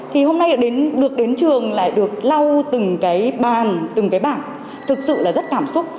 thì hôm nay được đến trường lại được lau từng cái bàn từng cái bảng thực sự là rất cảm xúc